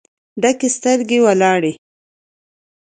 ډکې سترګې ولاړې